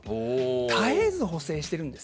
絶えず補正しているんです。